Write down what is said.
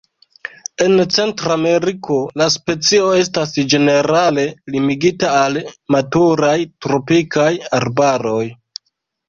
En Centrameriko, la specio estas ĝenerale limigita al maturaj tropikaj arbaroj.